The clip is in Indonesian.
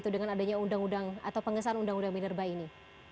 dengan adanya undang undang atau pengesahan undang undang minerba ini